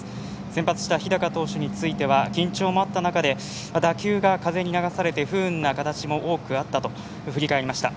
先発した日高投手については緊張もあった中で打球が風に流されて不運な形もあったと振り返りました。